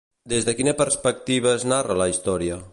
Des de quina perspectiva es narra la història?